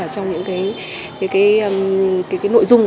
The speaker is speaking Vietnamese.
trong những nội dung